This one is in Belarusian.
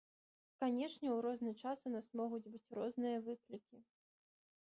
Канешне, у розны час у нас могуць быць розныя выклікі.